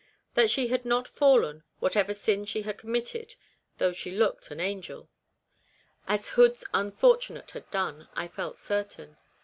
That she had not fallen, whatever sin she had committed (though she looked an angel), as Hood's unfortunate had done, I felt certain.